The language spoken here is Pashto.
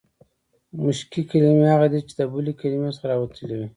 مشقي کلیمې هغه دي، چي د بلي کلیمې څخه راوتلي يي.